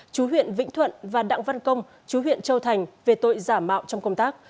chú huyện vĩnh thuận và đặng văn công chú huyện châu thành về tội giả mạo trong công tác